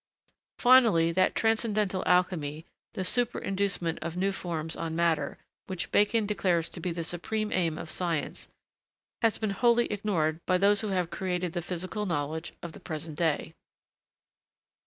Finally, that transcendental alchemy the superinducement of new forms on matter which Bacon declares to be the supreme aim of science, has been wholly ignored by those who have created the physical knowledge of the present day.